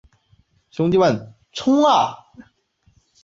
光轴苎叶蒟为胡椒科胡椒属下的一个变种。